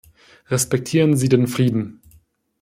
Respektieren Sie den Frieden!